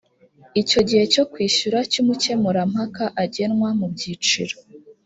igihe cyo kwishyura cy’umukemurampaka agenwa mu byiciro